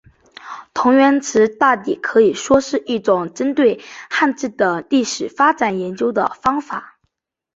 同源词大抵可以说是一种针对汉字的历史发展研究的方法。